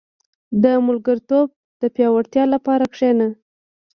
• د ملګرتوب د پياوړتیا لپاره کښېنه.